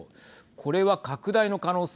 これは拡大の可能性